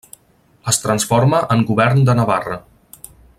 Es transforma en Govern de Navarra.